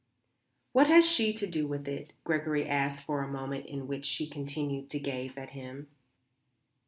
"What has she to do with it?" Gregory asked after a moment in which she continued to gaze at him.